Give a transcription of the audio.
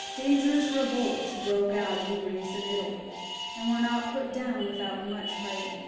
Dangerous revolts broke out in Greece and Italy, and were not put down without much fighting.